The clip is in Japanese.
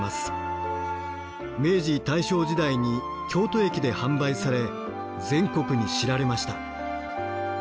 明治・大正時代に京都駅で販売され全国に知られました。